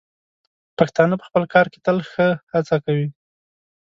پښتانه په خپل کار کې تل ښه هڅه کوي.